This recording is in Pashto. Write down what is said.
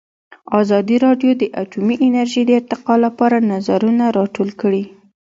ازادي راډیو د اټومي انرژي د ارتقا لپاره نظرونه راټول کړي.